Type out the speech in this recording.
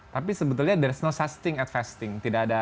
tapi sebetulnya there's no fasting at fasting